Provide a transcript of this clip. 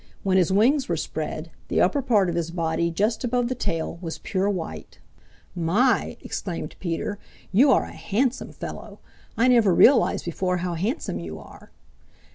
When his wings were spread, the upper part of his body just above the tail was pure white. "My," exclaimed Peter, "you are a handsome fellow! I never realized before how handsome you are."